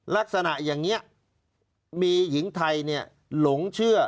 ลักษณะอย่างนี้มีหญิงไทยหลงเชื่อ